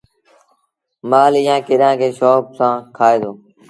مآل ايٚئآݩ ڪڏآݩ کي شوڪ سآݩ کآئي دو۔